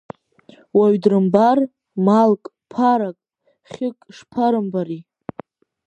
Уаҩ дрымбар, малк, ԥарак, хьык шԥарымбари…